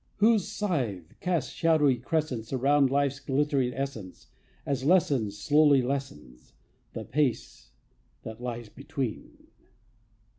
Whose scythe casts shadowy crescents Around life's glittering essence, As lessens, slowly lessens, The space that lies between.